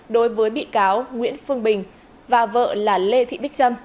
đối với bị cáo nguyễn phương bình và vợ là lê thị bích trâm